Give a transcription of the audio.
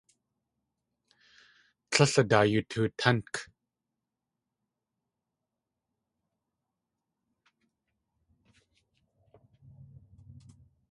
Tlél a daa yoo tutánk.